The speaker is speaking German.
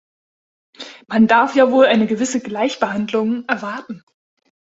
Man darf ja wohl eine gewisse Gleichbehandlung erwarten.